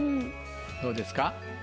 どうですか？